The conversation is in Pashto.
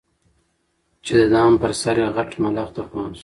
چي د دام پر سر یې غټ ملخ ته پام سو